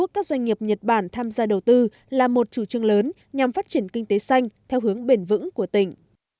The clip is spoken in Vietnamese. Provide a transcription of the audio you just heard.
các doanh nghiệp nhật bản tham gia đầu tư là một chủ trương lớn nhằm phát triển kinh tế xanh theo hướng bền vững của tỉnh